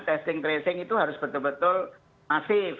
testing tracing itu harus betul betul masif